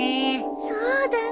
そうだね。